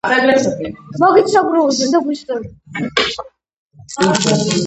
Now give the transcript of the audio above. სარმუსმა ქალები და ბავშვები კუნძულ პეუკეზე გახიზნა, თვითონ კი ალექსანდრეს წინააღმდეგ საბრძოლველად გაემზადა.